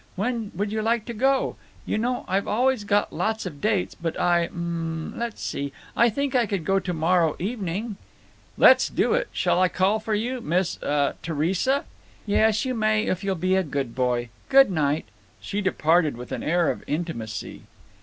When would you like to go? You know I've always got lots of dates but I—um—let's see, I think I could go to morrow evening." "Let's do it! Shall I call for you, Miss—uh—Theresa?" "Yes, you may if you'll be a good boy. Good night." She departed with an air of intimacy.